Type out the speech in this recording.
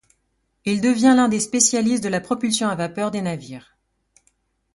Il devient l'un des spécialistes de la propulsion à vapeur des navires.